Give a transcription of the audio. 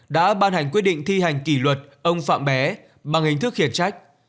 đã ban hành quyết định thi hành kỷ luật ông phạm bé bằng hình thức khiển trách